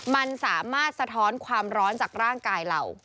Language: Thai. มันสามารถสะท้อนความร้อนจากร่างกายเรา